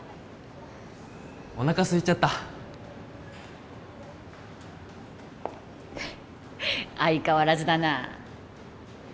おなかすいちゃった相変わらずだな